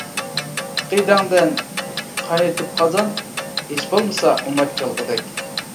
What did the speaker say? ئەقىدەڭدىن قاينىتىپ قازان، ھېچ بولمىسا ئۇماچ چالغۇدەك.